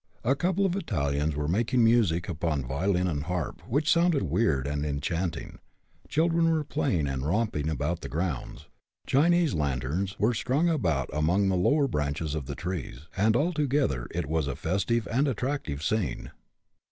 A couple of Italians were making music upon violin and harp, which sounded weird and enchanting; children were playing and romping about the grounds; Chinese lanterns were strung about among the lower branches of the trees, and altogether it was a festive and attractive scene.